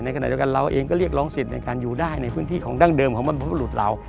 ขณะเดียวกันเราเองก็เรียกร้องสิทธิ์ในการอยู่ได้ในพื้นที่ของดั้งเดิมของบรรพบุรุษเรา